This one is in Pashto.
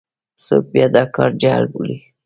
څوک بیا دا کار جعل بولي.